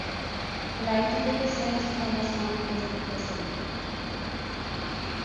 লাইনটি থেকে Saint Thomas Mount পর্যন্ত প্রসারিত।